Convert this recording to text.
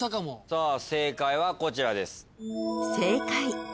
さあ正解はこちらです。